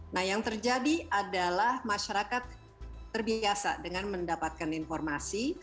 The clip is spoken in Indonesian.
nah yang terjadi adalah masyarakat terbiasa dengan mendapatkan informasi